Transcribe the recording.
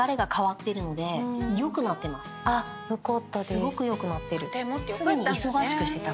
すごく良くなってる。